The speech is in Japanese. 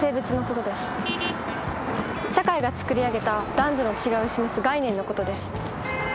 社会が作り上げた男女の違いを示す概念のことです。